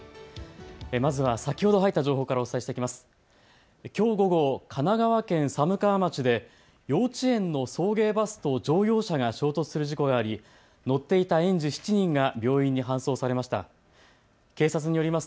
まずは先ほど入った情報からお伝えしていきます。